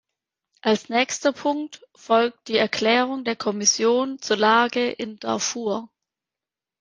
Als nächster Punkt folgt die Erklärung der Kommission zur Lage in Darfur.